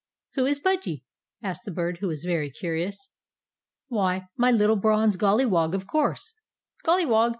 "Who is Pudgy?" asked the Bird, who was very curious. "Why, my little bronze Golliwog, of course." "Golliwog!